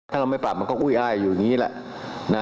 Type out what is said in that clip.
ถ้าเราไม่ปรับมันก็อุ้ยอ้ายอยู่อย่างนี้แหละ